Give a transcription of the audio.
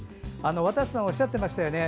渡瀬さんおっしゃっていましたよね。